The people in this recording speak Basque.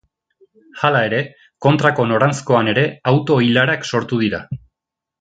Hala ere, kontrako noranzkoan ere auto-ilarak sortu dira.